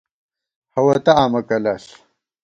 ہَوَتہ آمہ کلَݪ